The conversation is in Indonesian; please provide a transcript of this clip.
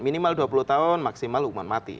minimal dua puluh tahun maksimal hukuman mati